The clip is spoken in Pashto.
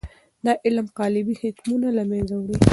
دا علم قالبي حکمونه له منځه وړي.